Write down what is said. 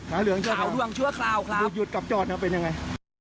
ขาวเหลืองเชื่อคราวครับหยุดกับจอดนะครับเป็นยังไง